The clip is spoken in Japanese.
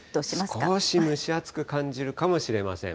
少し蒸し暑く感じるかもしれません。